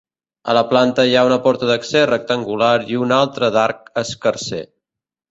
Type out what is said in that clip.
A la planta hi ha una porta d'accés rectangular i una altra d'arc escarser.